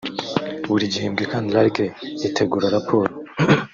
buri gihembwe kandi rlrc itegura raporo